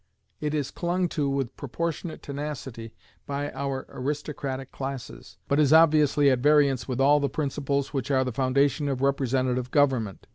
It is clung to with proportionate tenacity by our aristocratic classes, but is obviously at variance with all the principles which are the foundation of representative government.